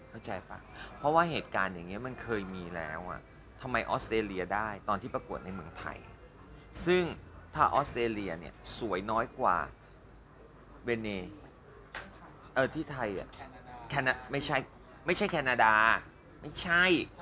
เข้าใจเปล่าเพราะว่าเหตุการณ์อย่างนี้มันเคยมีแล้วว่า